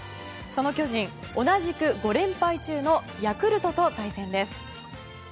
その巨人、同じく５連敗中のヤクルトと対戦です。